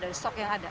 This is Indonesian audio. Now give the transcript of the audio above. dari stok yang ada